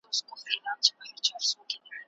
سیاستوال کله د مطبوعاتو ازادي تضمینوي؟